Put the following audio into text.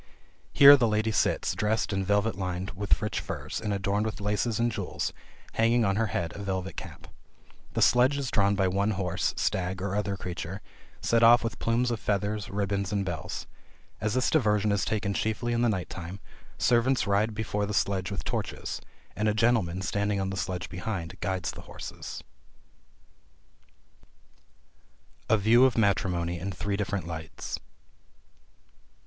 Here the lady sits, dressed in velvet lined with rich furs, and adorned with laces and jewels, having on her head a velvet cap. The sledge is drawn by one horse, stag or other creature, set off with plumes of feathers, ribbons and bells. As this diversion is taken chiefly in the night time, servants ride before the sledge with torches; and a gentleman, standing on the sledge behind, guides the horse. A VIEW OF MATRIMONY IN THREE DIFFERENT LIGHTS.